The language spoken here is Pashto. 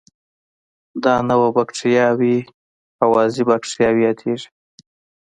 دا نوعه بکټریاوې هوازی باکتریاوې یادیږي.